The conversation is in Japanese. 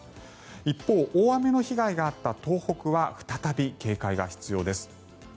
一方、大雨の被害があった東北は再び警戒が必要です。